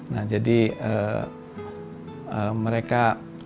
nah jadi mereka